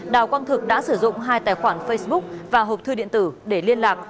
đào quang thực đã sử dụng hai tài khoản facebook và hộp thư điện tử để liên lạc